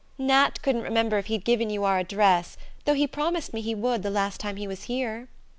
"Nat couldn't remember if he'd given you our address, though he promised me he would, the last time he was here."